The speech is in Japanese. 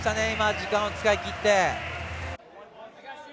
時間を使い切って。